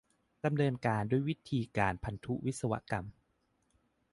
ดำเนินการด้วยวิธีการพันธุวิศวกรรม